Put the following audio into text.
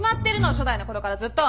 初代のころからずっと。